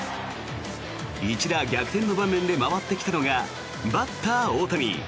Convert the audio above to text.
一打逆転の場面で回ってきたのがバッター・大谷。